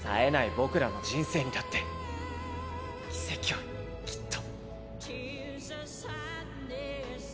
僕らの人生にだって奇跡はきっと。